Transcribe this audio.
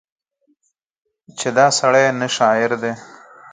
چې دا سړی نه شاعر دی